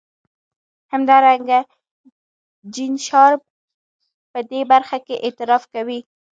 همدارنګه جین شارپ په دې برخه کې اعتراف کوي.